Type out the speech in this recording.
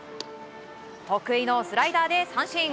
得意のスライダーで三振。